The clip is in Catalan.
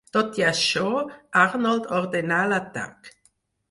Tot i això, Arnold ordenà l'atac.